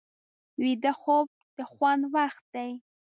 ویده خوب د خوند وخت دی